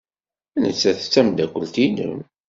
Nettat d tameddakelt-nnem.